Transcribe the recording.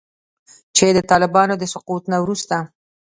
چې د طالبانو د سقوط نه وروسته